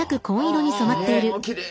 きれい。